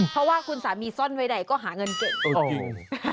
เพราะว่าคุณสามีซ่อนไว้ใดก็หาเงินเก่ง